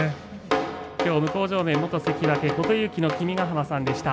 向正面は元関脇琴勇輝の君ヶ濱さんでした。